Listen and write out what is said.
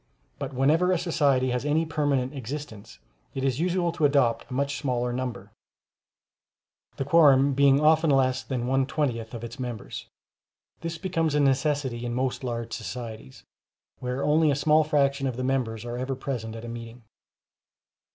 But whenever a society has any permanent existence, it is usual to adopt a much smaller number, the quorum being often less than one twentieth of its members; this becomes a necessity in most large societies, where only a small fraction of the members are ever present at a meeting.